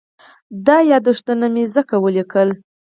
دا یادښتونه مې ځکه ولیکل.